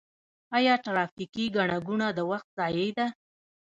آیا ټرافیکي ګڼه ګوڼه د وخت ضایع ده؟